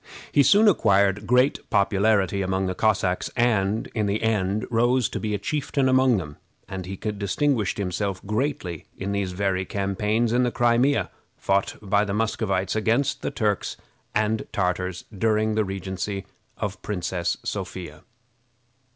He soon acquired great popularity among the Cossacks, and, in the end, rose to be a chieftain among them, and he distinguished himself greatly in these very campaigns in the Crimea, fought by the Muscovites against the Turks and Tartars during the regency of the Princess Sophia.